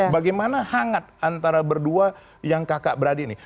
bagaimana hangat antara berdua yang kakak beradik ini